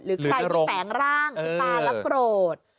หรือคลายที่แตงร่างก็คือตารับโกรธ